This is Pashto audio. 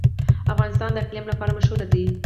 افغانستان د اقلیم لپاره مشهور دی.